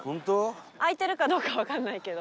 開いてるかどうかはわかんないけど。